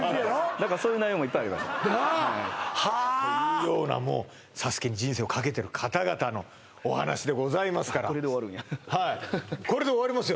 何かそういう内容もいっぱいありましたというようなもうＳＡＳＵＫＥに人生をかけてる方々のお話でございますからはいこれで終わりますよ